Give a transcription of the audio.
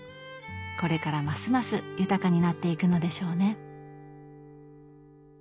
これからますます豊かになっていくのでしょうね。